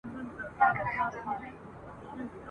په غبرګو سترګو چي ساقي وینم مینا ووینم !.